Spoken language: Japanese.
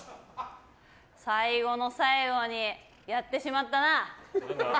最後の最後にやってしまったな。